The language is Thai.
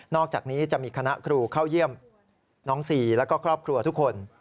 อกจากนี้จะมีคณะครูเข้าเยี่ยมน้องซีแล้วก็ครอบครัวทุกคน